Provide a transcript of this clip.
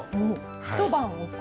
一晩おく。